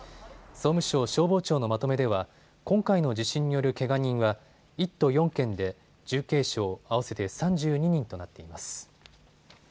総務省消防庁のまとめでは今回の地震によるけが人は１都４県で重軽傷合わせて３２人となっています。